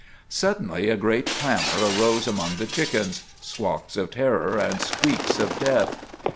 Suddenly a great clamor arose among the chickens squawks of terror and squeaks of death.